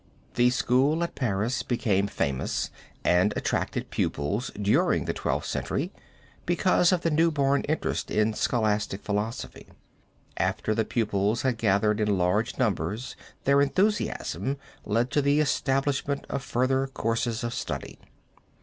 The school at Paris became famous, and attracted pupils during the Twelfth Century, because of the new born interest in scholastic philosophy. After the pupils had gathered in large numbers their enthusiasm led to the establishment of further courses of study.